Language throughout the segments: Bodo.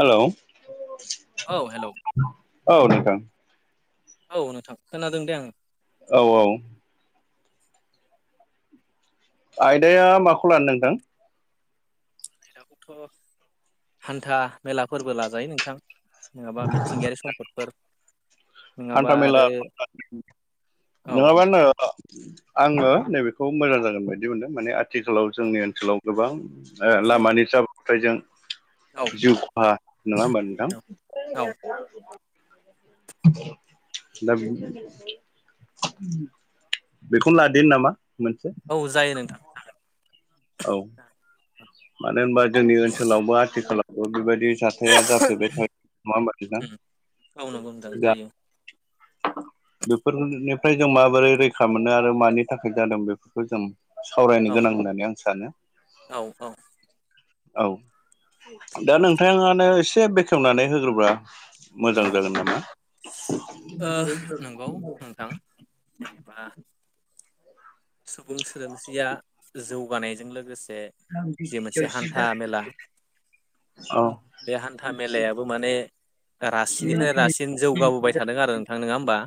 हेलौ औ हेलौ औ नोंथां औ नोंथां खोनादों दे आङो औ औ आयदाया माखौ लानो नोंथां आयदाखौथ' हान्था मेलाफोरबो लाजायो नोंथां नङाबा मिथिंगायारि सम्पदफोर नङाबा हान्था मेला आरो [unintelligible] औ नोंथां नङाबानो अ आङो नैबेखौ मोजां जागोन बायदि बुंदों मोनदों आथिखालाव जोंनि ओनसोलाव गोबां ओ लामानि जाब्रबथायजों औ जिउ खहा नङा होमबा नोंथां औ औ दा [unintelligible] बेखौनो लादो नामा मोनसे औ जायो नोंथां औ मानो होनबा जोंनि ओनसोलावबो आथिखालावबो बेबायदि जाथ जाथाया जाफ्लेबाय थायो नङा ओमबा उम औ नंगौ नोंथां नोंथां दा जायो बेफोरनिफ्राय जों माबोरै रैखा मोननो आरो मानि थाखाय जादों बेफोरखौ जों सावरायनो औ गोनां होननानै आं सानो औ औ औ दा नोंथाङानो एसे बेखेवनानै होग्रोबा मोजां अ जागोन नामा ओ नंगौ नोंथां जेनेबा सुबुं सोदोमस्रिया जौगानायजों लोगोसे जि मोनसे हान्था-मेला औ बे हान्था-मेलायाबो माने रासिननिफ्राय रासिन जौगाबोबाय थादों आरो नोंथां नोङा होमबा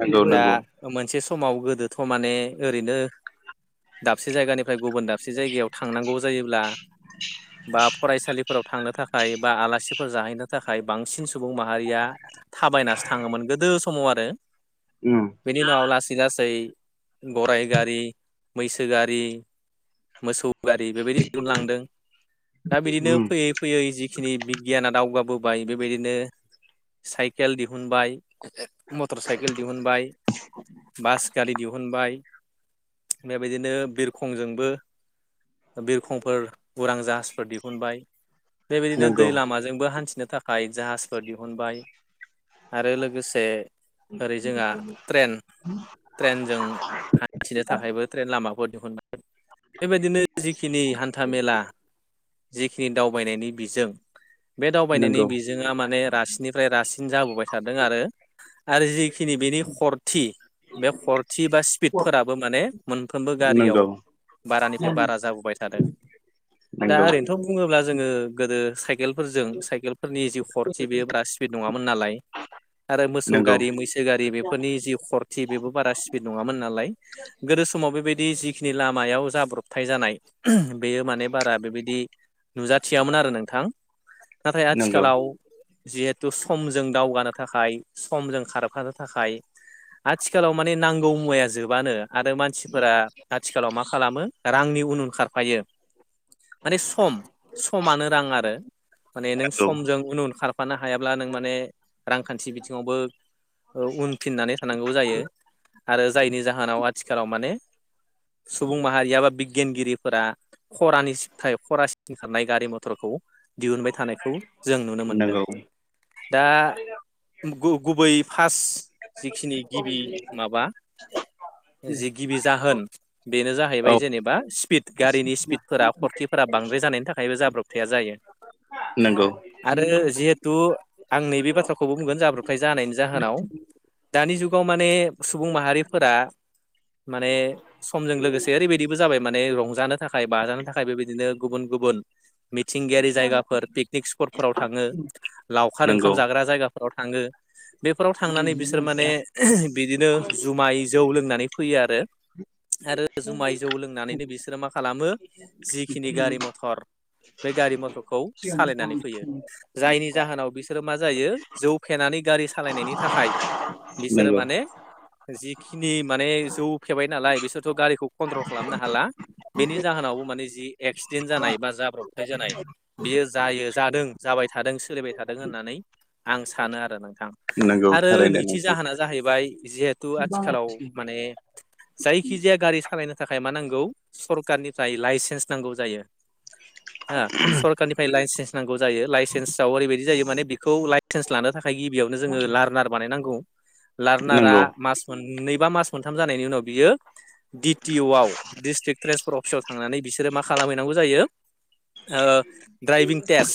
नंगौ दा नंगौ मोनसे समाव गोदोथ' माने ओरैनो दाबसे जायगानि फ्राय गुबुन दाबसे जायगायाव थांनांगौ जायोब्ला बा फरायसालिफोराव थांनो थाखाय बा आलासिफोर जाहैनो थाखाय बांसिन सुबुं माहारिया थाबायनासो थाङोमोन गोदो समाव आरो ओम बेनि उनाव लासै लासै गराइ गारि, मैसो गारि, मोसौ गारि बेबायदि दिहुनलांदों दा बिदिनो उम फैयै फैयै जिखिनि बिगियाना दावगाबोबाय बेबायदिनो साइकेल दिहुनबाय मथर साइकेल दिहुनबाय, बास गारि दिहुनबाय बेबायदिनो बिरखंजोंबो बिरखंफोर उरां जाहाजफोर दिहुनबाय बेबायदिनो दै नंगौ लामाजोंबो हान्थिनो था थाखाय जाहाजफोर दिहुनबाय आरो लोगोसे ओरै जोङा ट्रेन ट्रेनजों हान्थिनो थाखायबो ट्रेन लामाफोर दिहुनबाय बेबायदिनो जिखिनि हान्था-मेला जिखिनि दावबायनायनि बिजों बे दावबायनायनि नंगौ बिजोङा माने रासिननिफ्राय रासिन जाबोबाय थादों आरो आरो जिखिनि बेनि खरथि बे खरथि बा स्पिड फोराबो माने मोनफ्रोमबो गारियाव नंगौ बारानिफ्राय बारा जाबोबाय थादों दा नंगौ ओरैनोथ' बुङोब्ला जोङो गोदो साइ केलफोरजों साइकेलफोरनि जि खरथि बेयो बारा स्पिड नङामोन नालाय आरो मोसौ नंगौ गारि मैसो गारि बेफोरनि जि खरथि बेबो बारा स्पिड नङामोन नालाय गोदो समाव बेबायदि जिखिनि लामायाव जाब्रबथाय जानाय बेयो माने बारा बेबायदि नुजाथियामोन आरो नोंथां नाथाय नंगौ आथिखालाव जिहेथु समजों दावगानो थाखाय समजों खारफानो थाखाय आथिखालाव माने नांगौ मुवाया जोब बानो आरो मानसिफोरा आथिखालाव मा खालामो रांनि उन उन खारफायो माने सम समानो रां आरो माने नों समजों उन-उन खारफानो हायाब्ला नों माने रांखान्थि बिथिङावबो ओ उनफिननानै थानांगौ जायो आरो जायनि जा थिखालाव माने सुबुं माहारिया बा बिगियानगिरिफोरा ख'रानिसफ्राय ख'रा ओंखारनाय गारि-मथरखौ दिहुनबाय थानायखौ जों नुनो नंगौ मोनदों। दा गु- गुबै फास जिखिनि गिबि माबा जि गिबि जाहोन बेनो जाहैबाय औ जेनेबा स्पिद गारिनि स्पिडफोरा खरथिफोरा बांद्राय जानायनि थाखायबो जाब्र'बथाया जायो। [inaudible] नंगौ। [inaudible] थ' आं नैबे बाथ्राखौबो बुंगोन जाब्रथाय जानायनि जाहोनाव दानि जुगाव माने सुबुं माहारिफोरा माने समजों लोगोसे ओरैबायदि बो जाबाय माने रंजानो थाखाय बाजानो थाखाय बेबायदिनो गुबुन- गुबुन मिथिंगायारि जायगाफोर पिकनिक स्पटफोराव थाङो लावखार नंगौ ओंखाम जाग्रा जायगाफोर फोराव थाङो बेफोराव थांनानै बिसोर माने बिदिनो जुमाय जौ लोंना नानै फैयो आरो। आरो जुमाय जौ लोंनानैनो बिसोरो मा खालामो जिखिनि गारि -मथर बे गारि मथरखौ सालायनानै फैयो जायनि जाहोनाव बि सोरो मा जायो जौ फेनानै गारि सालायनायनि थाखाय बिसोरो नंगौ माने जिखिनि माने जौ फेबाय नालाय बिसोरथ' गारिखौ कन्ट्रल खालामनो हाला। बेनि जाहोनावबो माने जि एक्सिडेन्ट जानाय बा जाब्रथाय जानाय बियो जायो जादों। जाबाय थादों सोलिबाय थादों होननानै आं सानो आरो नोंथां नंगौ आरो थारैनो नैथि नोंथां जाहोना जाहैबाय जिहेथु आथिखालाव माने जायखिजाया गारि सालायनो थाखाय मा नांगौ सरखारनिफ्राय लाइसेन्स नांगौ जायो। हो सरखारनिफ्राय लाइसेन्स नांगौ जायो लाइसेन्सआव ओरैबायदि जायो माने बेखौ लाइ चेन्स लानो थाखाय गिबियावनो जोङो लार्नार बानायनांगौ लार्नारा नंगौ मास मोननै बा मास मोनथाम जानायनि उनाव बियो डि टि अवाव दिडिस्ट्रिक ट्रेन्सपर्ट अफिसाव थांनानै बिसोरो मा खालामहैनांगौ जायो ओ ट्राइभिं टेस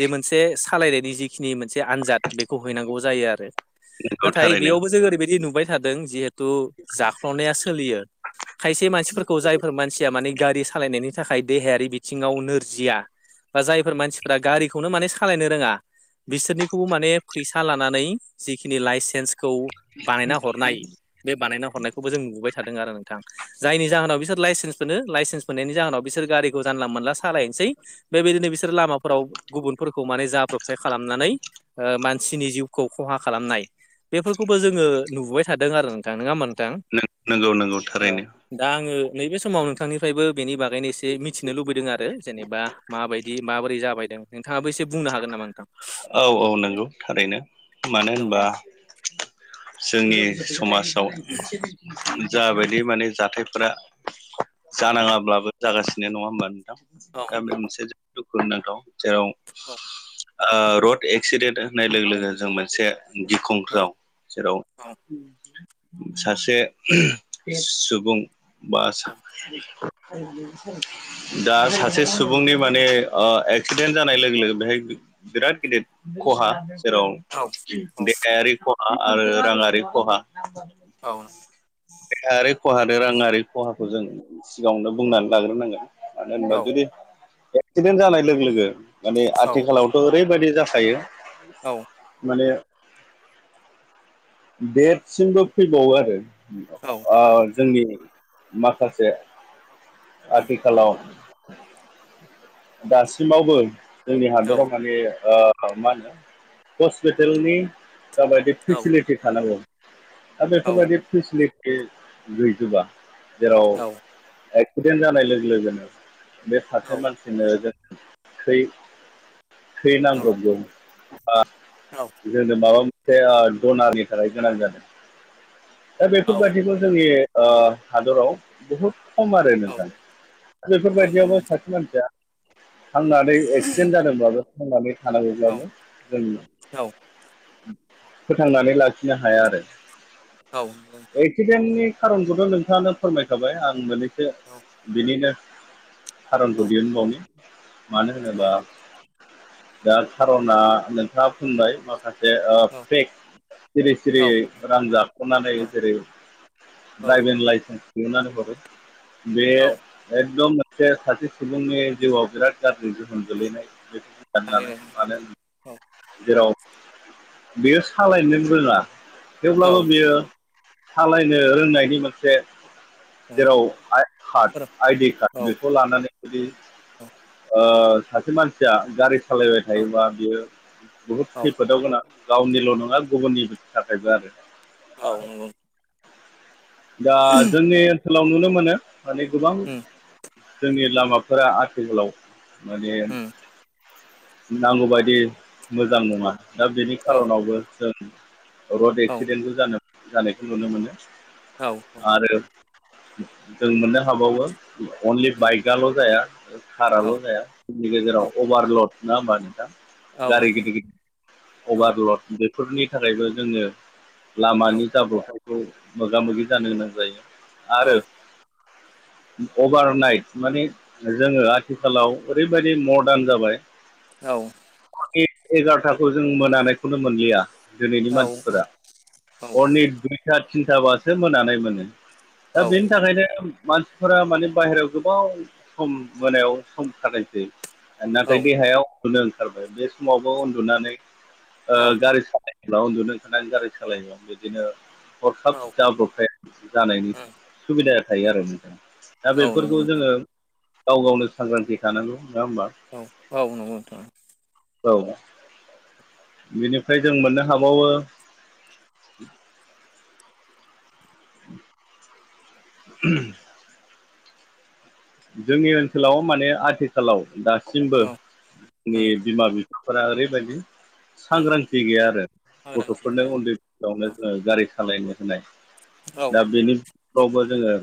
जे मोनसे सालायनायनि जि खिनि मोनसे आनजाद बेखौ हैनांगौ जायो आरो नंगौ नाथाय थारैनो बेयावबो जों ओरैबायदि नुबाय थादों जिहे थ जाख्ल'नाया सोलियो खायसे मानसिफोरखौ जायफोर मानसिया माने गारि सालायनायनि थाखाय देहायारि बिथिङाव नोरजिया बा जायफोर मानसिफोरा गारिखौ खौनो सालायनो रोङा बिसोरनिखौ माने फैसा लानानै जिखि लाइसेन्च खौ बानायना हरनाय बे बानायना हरनायखौबो जों नुुबोबाय थादों आरो नोंथां। जायनि जाहोनाव बिसोर लाइसेन्स मोनो लाइसेन्स मोनायनि जाहोनाव बिसोर गारिखौ जानला मोनला सालायनोसै बेबायदिनो बिसोरो लामाफोराव गुबुनफोरखौ माने जाब्रबथाय खालामनानै ओ मानसिनि जिउखौ खहा खालामनाय बेफोरखौबो जोङो नुबोबाय थादों आरो नोंथां नोङा होमबा नोंथां नों नंगौ नंगौ औ थारैनो। दा आङो नैबे समाव नोंथांनिफ्रायबो बेनि बागैनो एसे मिथिनो लुबैदों आरो जेनेबा माबायदि माबोरै जाबायदों नोंथाङाबो एसे बुंनो हागोन नामा नोंथां? औ औ नंगौ थारैनो मानो औ होनबा जोंनि समाज आव जाबायदि माने जाथायफोरा जानाङाब्लाबो जागासिनो नङा होमबा नोंथां औ दा बे मोनसे जोबोद दुखुुनांथाव जेराव औ। ओ रड एक्सिडेन्ट होननाय लोगो लोगो जों मोनसे औ गिख्रंथाव जेराव औ सासे सुबुं बा सा दा सासे सुबुंनि माने ओ एक्सिडेन्ट जा नाय लोगो-लोगो बेहाय बिराद गिदिर खहा जेराव औ देहायारि ख हा आरो राङारि खहा औ देहायारि खहाानो राङारि खहाखौ जों सिगाङावनो बुंनानै लाग्रोनांगोन। मानो होनबा जुदि एक्सिडेन्ट जानाय लोगो लोगो माने आथिखालाव ओरैबायदि जाखायो औ माने देरसिमबो फैबावो आरो। औ ओ जोंनि माखासे आथिखालाव दासिमावबो जोंनि हादराव माने ओ मा होनो हस्पिटेलनि माबायदि फेसिलिटि थानांगौ। दा बेफोरबायदि फेसिलिटि गैजोबा जेराव एक्सिडेन्ट जानाय लोगो लोगोनो बे सासे मानसिनो जों थै नांग्रबगौ बा औ जोंनो माबा मोनसे डनारनि थाखाय गोनां जागोन दा बेफोरबायदिखौ जोंनि ओ हादराव बहुद खम आरो औ नोंथां दा बेफोरबायदियावबो सासे मानसिया थांनानै एक्सिडेन्ट जादोंब्लाबो थांनानै थानांगौब्लाबो जों औ फोथांनानै लाखिनो हाया आरो। औ एक्सिडेन्टनि खारनखौथ' नोंथाङानो फोरमायखाबाय आं मोने बिनिनो खारनखौ दिहुनबावनि मानो होनोबा दा खारना नोंथाङा बुंबाय माखासे पेक सिरि सिरि रां जाख'नानै जेरै औ औ ड्राइभिं लाइसेन्स दिहुननानै हरो बे औ एकदम मोनसे सासे सुबुंनि जिउआव बिराद गाज्रि जोहोम गोलैनाय बेखौ थारैनो [unintelligible] औ जेराव बियो सालायनो रोङा औ थेवब्लाबो बियो सालायनो रोंनायनि मोनसे जेराव कार्ड आइडि कार्ड बेखौ लानानै जुदि ओ सासे मानसिया गारि सालायबाय औ औ थायोबा बियो बहुद औ खैफोदाव गोनां गावनिल' नङा गुबुननि थाखायबो आरो। औ नंगौ दा जोंनि ओनसोलाव नुनो मोनो माने गोबां उम जोंनि लामाफोरा आथिखालाव माने उम नांगौबायदि मोजां नङा। दा बेनि औ खारनावबो जों रड औ एक्सिडेन्टबो जा जानायखौ नुनो मोनो। औ आरो जों मोननो हाबावो अनलि उम बाइकआल' जाया। काराल' औ जाया जोंनि गेजेराव औ अभारलड नङा होमबा नोंथां औ गारि नंगौ गिदिर गिदिर औ अभारलड बेफोरनि थाखायबो जोङो औ लामानि जाब्रबथाय खौ मोगा मोगि जानो गोनां जायो औ आरो [inaudible] अभार नाइट माने जोङो आथिखालाव ओरैबायदि मडार्न जाबाय। औ एगार'थाखौ जों मोनायखौनो मोनलिया। दिनैनि औ मानसिफोरा हरनि दुइथा थिनथाबासो मोनानाय मोनो। दा औ बेनि थाखायनो मानसिफोरा माने बाहेरायाव गोबाव सम मोनायाव सम थानायसै। औ औ नाथाय देहाया उन्दुनो ओंखारबाय बे समावबो उन्दुनानै गारि सालाय जब्ला उन्दुनो ओंखारनानै गारि सालायो बिदिनो हरखाब जाब्रबथाय जानायनि सुबिदाया थायो आरो नोंथां दा उम औ नंगौ बेफोरखौ जोङो गाव गावनो सांग्रांथि थानांगौ नङा होमबा औ औ नंगौ नोंथां औ बेनिफ्राय जों मोननो हाबावो [inaudible] जोंनि ओनसोलाव माने आथिखालाव दासिमबो औ औ नंगौ जोंनि नोंथां औ उम बिमा बिफा-बि फोरा ओरैबायदि उम सांग्रांथि गैया आरो सांग्रांथि गथ'फोरनो गैया उन्दै बैसोआवनो औ जोङो गारि सालायनो होनाय औ दा बेनिफ्रावबो जोङो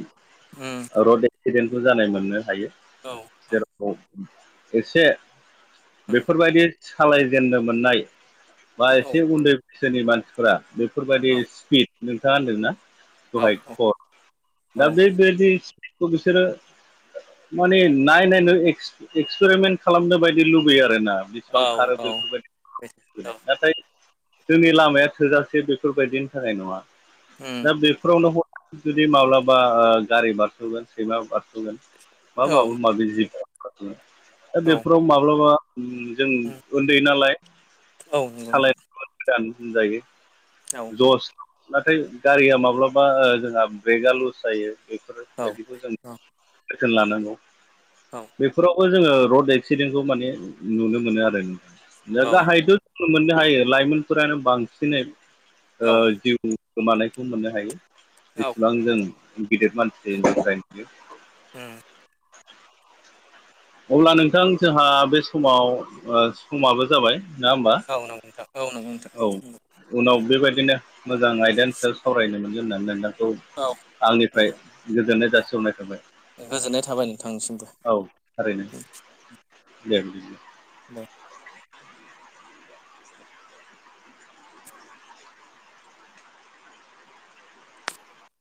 उम रड एक्सिडेन्टबो जानाय मोननो हायो औ जेराव एसे उम बेफोरबायदि सालायजेननो मोननाय बा औ एसे उन्दै बैसोनि मानसिफोरा बे फोरबायदि औ स्पिड नोंथाङा होनदोंना औ दहाय खद दा औ बेबायदि खौ बिसोरो माने नायनायनो एक्सपेरिमेन्ट खालामनो बायदि लुबैयो आरोना बिसिबां औ खारो औ बेफोरबायदि नाथाय जोंनि लामाया थोजासे बेफोरबायदिनि थाखाय नङा उम दा बेफोरावनो हथाथ जुदि माब्लाबा गारि बारस'गोन सैमा बार स'गोन मा औ माबा माबि जिब जुनाद दा औ बेफोराव माब्लाबा ओम जों उम उन्दै नालाय औ नंगौ नोंथां सालायनो गोदान बुंजायो औ जस नाथाय गारिया माब्लाबा जोंहा ब्रेकआ लुस जायो औ बेफोरबायदिखौ जों औ जोथोन लानांगौ बेफोरावबो जोङो रड एक्सिडेन्टखौ माने नुनो मोनो आरो दा गाहायैथ' जोंङो मोननो हायो लाइमोनफोरानो बांसिनै ओ औ जिउ गोमानायखौ मोननो हायो औ जसेबां जों गिदिर मानसिनि थाखायनो [inaudible] ओम अब्ला नोंथां जोंहा बे समाव समाबो जाबाय नङा होमबा औ नंगौ नोंथां औ नंगौ औ नोंथां उनाव बेबायदिनो मोजां आयदानि सायाव सावरायनो मोनगोन होननानै नोंथांखौ औ आंनिफ्राय औ गोजोननाय जासिहरनाय थाबाय गोजोननाय थाबाय नोंथांनिसिमबो औ थारैनो दे बिदिब्ला दे